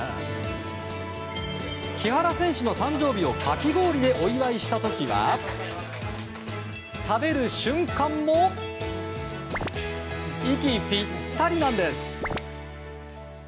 木原選手の誕生日をかき氷でお祝いした時は食べる瞬間も息ぴったりなんです。